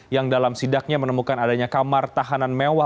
yang dalam sidaknya menemukan adanya kamar tahanan mewah